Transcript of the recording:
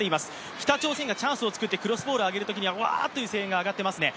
北朝鮮がチャンスをつくってクロスボールを上げるときにはワーッという声援が上がっていますね。